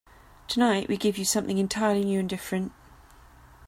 Tonight we give you something entirely new and different.